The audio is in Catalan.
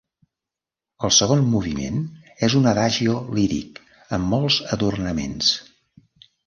El segon moviment és un Adagio líric amb molts adornaments.